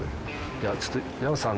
いやちょっと山内さん